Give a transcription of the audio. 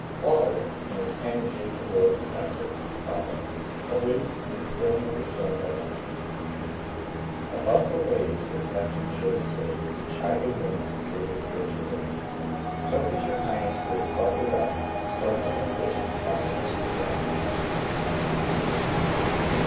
Waller, in his "Panegyric to the Lord Protector" (Cromwell), alludes to this stilling of the storm by Neptune: "Above the waves, as Neptune showed his face, To chide the winds and save the Trojan race, So has your Highness, raised above the rest, Storms of ambition tossing us repressed."